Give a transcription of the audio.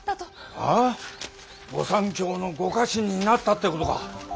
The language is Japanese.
はぁ御三卿のご家臣になったってことか！